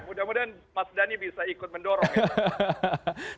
mudah mudahan mas dhani bisa ikut mendorong ya